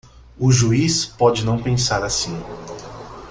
O juiz pode não pensar assim.